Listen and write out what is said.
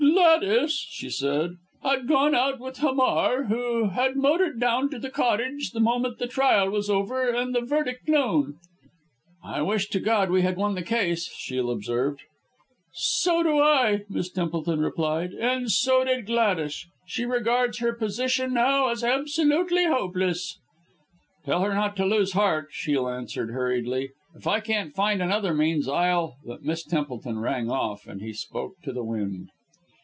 "Gladys," she said, "had gone out with Hamar, who had motored down to the cottage the moment the trial was over and the verdict known." "I wish to God we had won the case," Shiel observed. "So do I," Miss Templeton replied, "and so did Gladys she regards her position now as absolutely hopeless!" "Tell her not to lose heart," Shiel answered hurriedly. "If I can't find any other means, I'll " but Miss Templeton rang off, and he spoke to the wind.